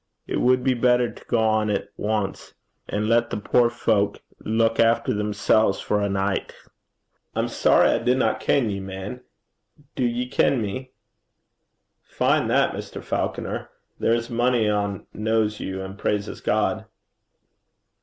It wad be better to gang at ance, an' lat the puir fowk luik efter themsels for ae nicht.' 'I'm sorry I dinna ken ye, man. Do ye ken me?' 'Fine that, Mr. Falconer. There's mony ane kens you and praises God.'